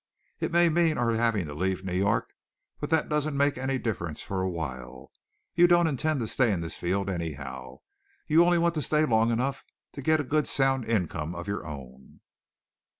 It may mean our having to leave New York; but that doesn't make any difference for a while. You don't intend to stay in this field, anyhow. You only want to stay long enough to get a good sound income of your own."